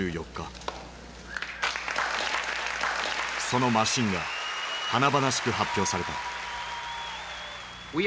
そのマシンが華々しく発表された。